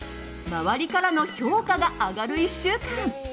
周りからの評価が上がる１週間。